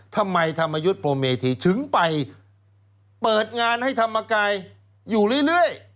ทำไมธรรมยุทธ์พรมเมธีถึงไปเปิดงานให้ธรรมกายอยู่เรื่อย